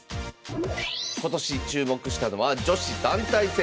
今年注目したのは女子団体戦。